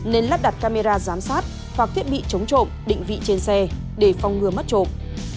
nên lắp đặt camera giám sát hoặc thiết bị chống trộm định vị trên xe để phong ngừa mất trộm